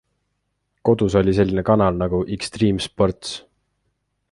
Kodus oli selline kanal nagu Extreme Sports.